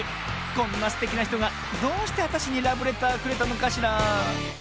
こんなすてきなひとがどうしてあたしにラブレターくれたのかしら